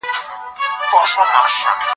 ستاسو ورځني عادتونه د ښو فکرونو له لاري بدلیږي.